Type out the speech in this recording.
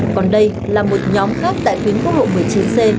còn đây là một nhóm khác tại tuyến quốc lộ một mươi chín c